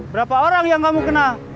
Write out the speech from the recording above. berapa orang yang kamu kenal